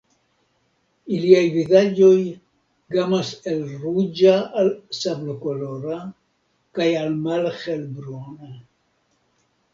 Iliaj vizaĝoj gamas el ruĝa al sablokolora kaj al malhelbruna.